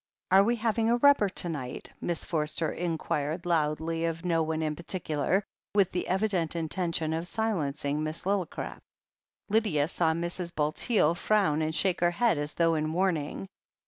"Are we having a rubber to night?" Miss Forster inquired loudly of no one in particular, with the evi dent intention of silencing Miss Lillicrap. Lydia saw Mrs. Bulteel frown and shake her head, as though in warning.